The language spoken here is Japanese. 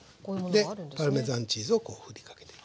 でパルメザンチーズを振りかけていく。